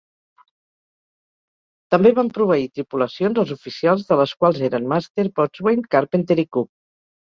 També van proveir tripulacions els oficials de les quals eren Master, Boatswain, Carpenter i Cook.